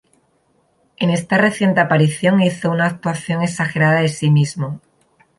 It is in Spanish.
En esta reciente aparición hizo una actuación exagerada de sí mismo.